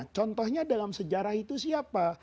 contohnya dalam sejarah itu siapa